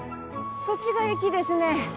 そっちが駅ですね。